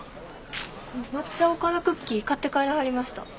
抹茶おからクッキー買って帰らはりました。